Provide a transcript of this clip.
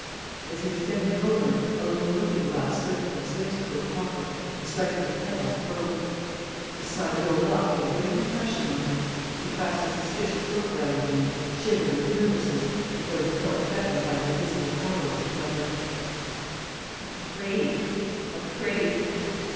As he was bending over, a little looking glass slipped from his waistcoat pocket and, striking a pebble, broke. This sign of ill luck made a great impression on him, He cast a suspicious look around him and, shivering with nervousness, as though he felt threatened by the invisible powers, he muttered: "I'm afraid I'm afraid.